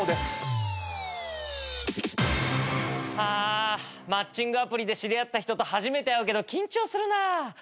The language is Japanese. あーマッチングアプリで知り合った人と初めて会うけど緊張するなあ。